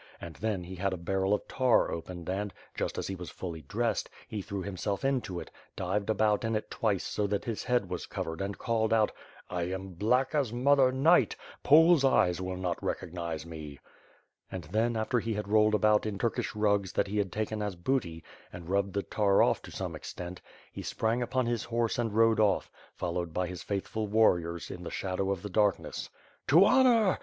And then he had a barrel of tar opened and, just as he was fully dressed^ he threw himself into it, dived about in it twice so that his head was covered and called out: "I am black as Mother Night. Poles' eyes will not recog nize me." And then, after he had rolled about in Turkish rugs that he had taken as booty, and rubbed the tar oflE to some extent, he sprang upon his horse and rode off, followed by his faith ful warriors in the shadow of the darkness. "To honor!